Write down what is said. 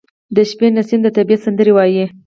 • د شپې نسیم د طبیعت سندرې وايي.